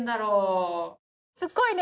すっごいね。